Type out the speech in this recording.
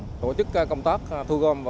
để tổ chức công tác thu gom